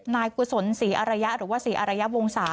กุศลศรีอรยะหรือว่าศรีอารยวงศา